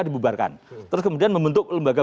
dibubarkan terus kemudian membentuk lembaga